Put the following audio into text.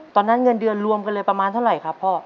เงินเดือนรวมกันเลยประมาณเท่าไหร่ครับพ่อ